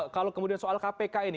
kalau kemudian soal kpk ini